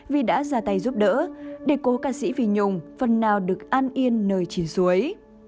vì đã ra tay giúp đỡ để cô ca sĩ phi nhung phần nào được an yên nơi chín suối